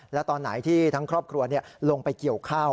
แล้วตอนไหนที่ทั้งครอบครัวลงไปเกี่ยวข้าว